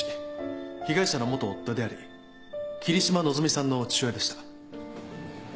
被害者の元夫であり桐島希美さんの父親でした。